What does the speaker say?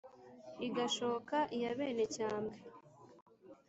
igashoka iy 'abenecyambwe